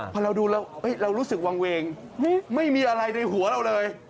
พอเราดูแล้วเรารู้สึกวางเวงไม่มีอะไรในหัวเราเลย